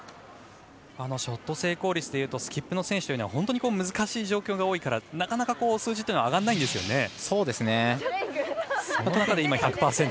ショット成功率でいうとスキップの選手は本当に難しい状況が多いのでなかなか数字は上がらないですね。